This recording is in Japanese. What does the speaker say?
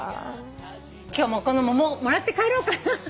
今日もこの桃もらって帰ろうかな。